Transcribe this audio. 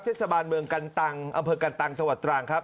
เทศบาลเมืองกันตังอำเภอกันตังจังหวัดตรังครับ